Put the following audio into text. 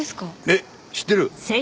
えっ知ってる？